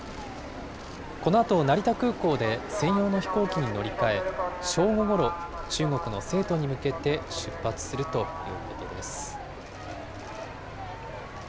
このあと成田空港で専用の飛行機に乗り換え、正午ごろ、中国の成都に向けて出発するということです。